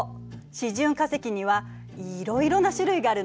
示準化石にはいろいろな種類があるのよ。